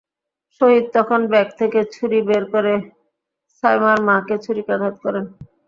শহীদ তখন ব্যাগ থেকে ছুরি বের করে সায়মার মাকে ছুরিকাঘাত করেন।